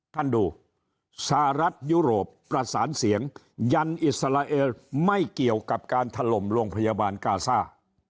ท่านดูสหรัฐยุโรปประสานเสียงยันอิสราเอลไม่เกี่ยวกับการถล่มโรงพยาบาลกาซ่า